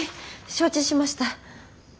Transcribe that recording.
承知しました。